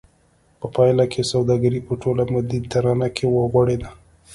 په پایله کې سوداګري په ټوله مدیترانه کې وغوړېده